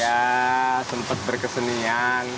ya sempat berkesenian